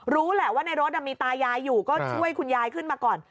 รู้แหละว่าในรถมีตายายอยู่ก็ช่วยคุณยายขึ้นมาก่อน